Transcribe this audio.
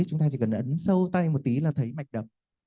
chúng ta chỉ cần ấn sâu tay một tí là thấy mạch đập